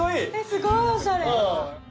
すごいおしゃれ。